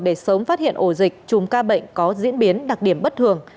để sớm phát hiện ổ dịch chùm ca bệnh có diễn biến đặc điểm bất thường